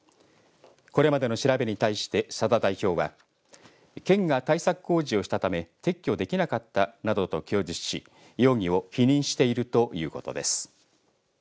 これまでの調べに対して佐田代表は県が対策工事をしたため撤去できなかったなどと供述し容疑を否認しているということです。